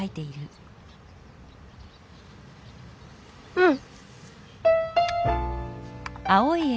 うん。